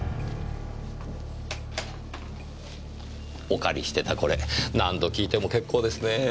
お借りしてたこれ何度聴いても結構ですねぇ。